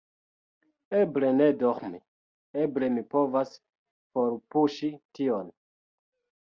Eble ne dormi, eble mi povas forpuŝi tion…